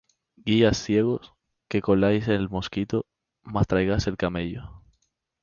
Guías ciegos, que coláis el mosquito, mas tragáis el camello!